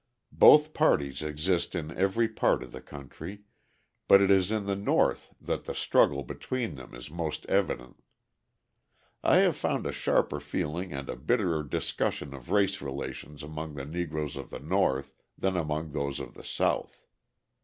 Both parties exist in every part of the country, but it is in the North that the struggle between them is most evident. I have found a sharper feeling and a bitterer discussion of race relationships among the Negroes of the North than among those of the South.